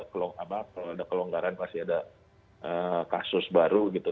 kalau ada kelonggaran pasti ada kasus baru gitu